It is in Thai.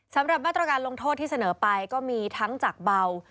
สำหรับมาตรการลงโทษที่เสนอไปก็มีทั้งจากเบา